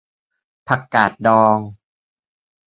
ผักกาดดอง